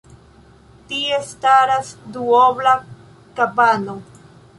Tie staras duobla kabano.